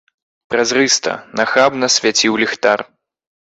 Празрыста, нахабна свяціў ліхтар.